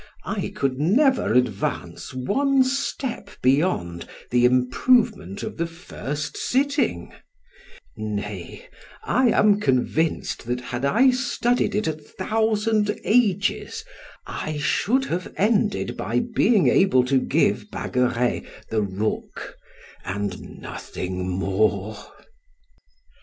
I could never advance one step beyond the improvement of the first sitting, nay, I am convinced that had I studied it a thousand ages, I should have ended by being able to give Bagueret the rook and nothing more.